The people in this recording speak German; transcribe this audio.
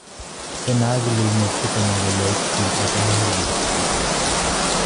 Der nahegelegene "Chickamauga Lake" dient als Erholungsgebiet.